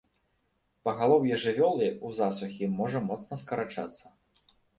Пагалоўе жывёлы ў засухі можа моцна скарачацца.